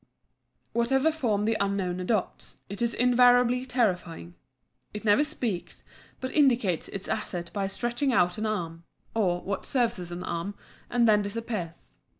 Whatever form the Unknown adopts, it is invariably terrifying. It never speaks, but indicates its assent by stretching out an arm, or what serves as an arm, and then disappears.